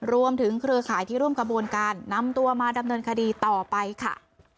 เครือข่ายที่ร่วมกระบวนการนำตัวมาดำเนินคดีต่อไปค่ะ